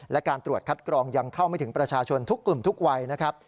และการตรวจคัดกรองยังเข้าไม่ถึงประชาชนทุกกลุ่มทุกวัยนะครับ